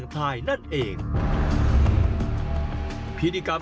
หันล้วยหันล้วยหันล้วย